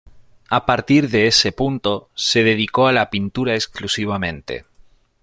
A partir de ese punto se dedicó a la pintura exclusivamente.